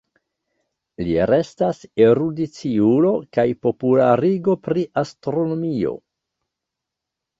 Li restas erudiciulo kaj popularigo pri astronomio.